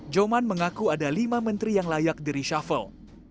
joman mengaku ada lima menteri yang layak diri syafel